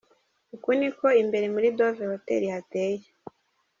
Uku niko imbere muri Dove Hotel hateye.